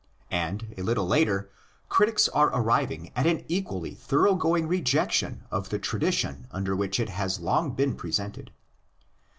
And, a little later, critics are arriving at an equally thoroughgoing rejection of the tradition under which it has long been presented.